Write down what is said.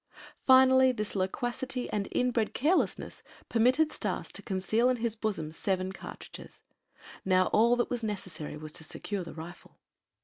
Finally this loquacity and inbred carelessness permitted Stas to conceal in his bosom seven cartridges. Now all that was necessary was to secure the rifle.